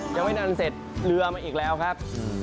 ยังไม่นานเสร็จเรือมาอีกแล้วครับ